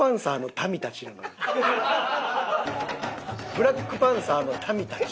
ブラックパンサーの民たち。